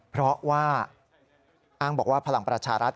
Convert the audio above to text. เพราะว่าอ้างบอกว่าพลังประชารัฐ